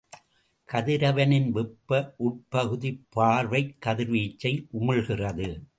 கதிரவனின் வெப்ப உட்பகுதிப் பார்வைக் கதிர்வீச்சை உமிழ்கிறது.